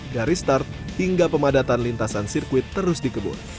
dari start hingga pemadatan lintasan sirkuit terus dikebur